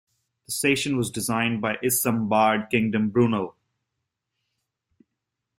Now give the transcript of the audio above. The station was designed by Isambard Kingdom Brunel.